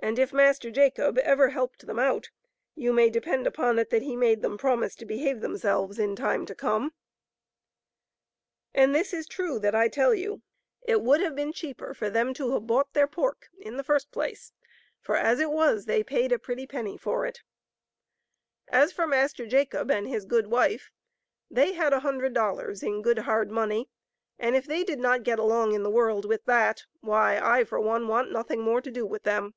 And if Master Jacob ever helped them out, you may depend upon it that he made them promise to behave themselves in time to come. And this is true that I tell you : it would have been cheaper for them to 174 MASTER JACOB. have bought their pork in the first place, for, as it was, they paid a pretty penny for it. As for Master Jacob and his good wife, they had a hundred dollars in good hard money, and if they did not get along in the world with that, why I, for one, want nothing more to do with them.